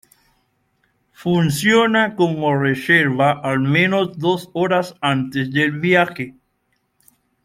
Funciona con reserva, al menos dos horas antes del viaje.